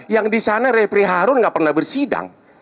yang disana repri harun gak pernah bersidang